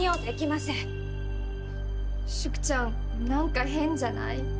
淑ちゃんなんか変じゃない？